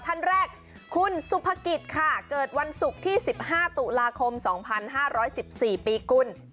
ท่านแรกคุณสุภกิจค่ะเกิดวันศุกร์ที่๑๕ตุลาคม๒๕๑๔ปีกุล